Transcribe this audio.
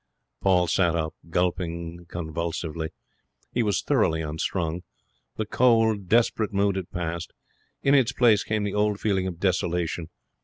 Paul sat up, gulping convulsively. He was thoroughly unstrung. The cold, desperate mood had passed. In its place came the old feeling of desolation.